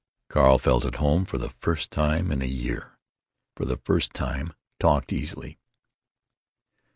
Carl felt at home for the first time in a year; for the first time talked easily.